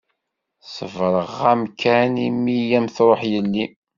Ṣebreɣ-am kan imi i am-truḥ yelli-m.